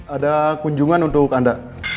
ada kunjungan untuk anda